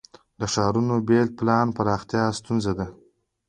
د ښارونو بې پلانه پراختیا ستونزه ده.